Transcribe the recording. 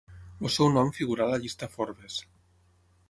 El seu nom figurà a la llista Forbes.